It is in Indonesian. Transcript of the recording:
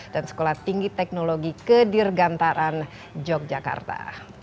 dan sekolah tinggi teknologi kedirgantaran yogyakarta